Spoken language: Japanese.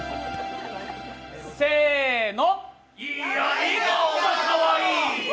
せーの。